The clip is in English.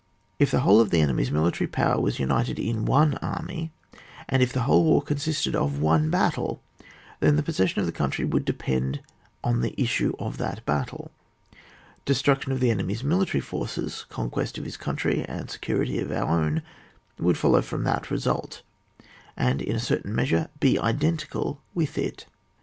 If the whole of the enemy's military power was united in one army, and if the whole war consisted of one battle, then the possession of the country would depend on the issue of that battle ; destruction of the enemy's military forces, conquest of his country and security of our own, would follow from that result, and, in a certain measure, be identical with it.